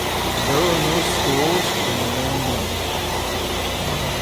There are no schools in Min Min.